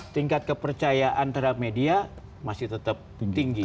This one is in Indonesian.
tingkat kepercayaan terhadap media masih tetap tinggi